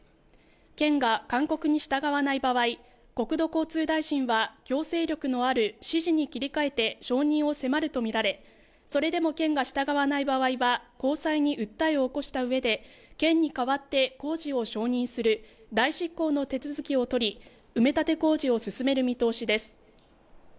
県が勧告に従わない場合国土交通大臣は強制力のある指示に切り替えて承認を迫ると見られそれでも県が従わない場合は高裁に訴えを起こしたうえで県に代わって工事を承認する代執行の手続きを取り埋め立て工事を進める見通しです